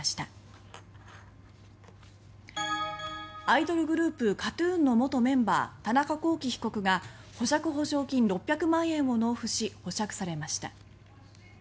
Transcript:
アイドルグループＫＡＴ−ＴＵＮの元メンバー田中聖被告が保釈保証金６００万円を納付し保釈されました。